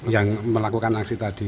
yang melakukan aksi tadi